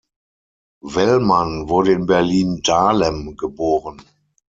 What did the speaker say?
Wellmann wurde in Berlin-Dahlem geboren.